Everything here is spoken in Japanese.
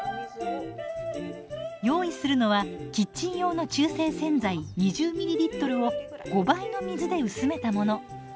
用意するのはキッチン用の中性洗剤２０ｍｌを５倍の水で薄めたもの。